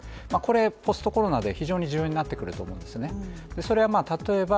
これポストコロナで非常に重要になってくると思うんですね